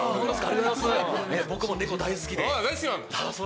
僕もネコ大好きで。